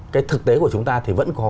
cái thực tế của chúng ta thì vẫn có